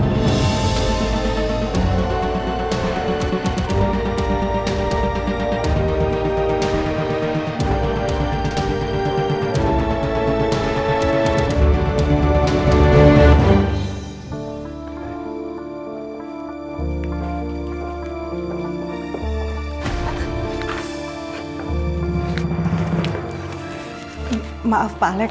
hai maaf pak alex